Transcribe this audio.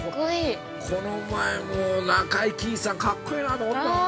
◆この前も、もう中井貴一さん、格好いいなと思ったもん。